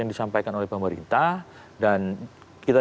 yang disampaikan oleh pemerintah dan kita